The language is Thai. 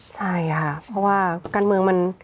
ใช่ค่ะเพราะว่าการเมืองมัน